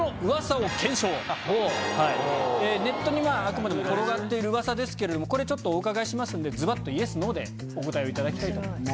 ネットにあくまでも転がっている噂ですけれどもこれちょっとお伺いしますのでズバっと「Ｙｅｓ」「Ｎｏ」でお答えをいただきたいと思います。